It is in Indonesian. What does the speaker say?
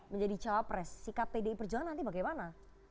menjadi cawapres sikap pdi perjuangan nanti bagaimana